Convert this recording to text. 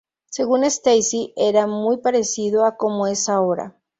Según Stacy, era muy parecido a como es ahora.